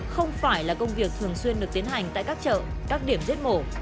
không phải là công việc thường xuyên được tiến hành tại các chợ các điểm giết mổ